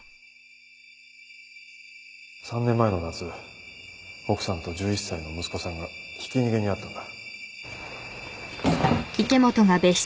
３年前の夏奥さんと１１歳の息子さんがひき逃げに遭ったんだ